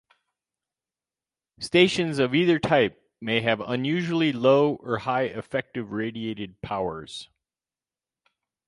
Stations of either type may have unusually low or high effective radiated powers.